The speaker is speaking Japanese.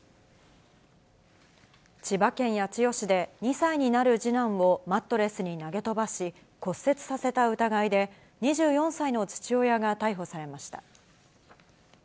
千葉県八千代市で、２歳になる次男をマットレスに投げ飛ばし、骨折させた疑いで、２４歳の父親が逮捕されました。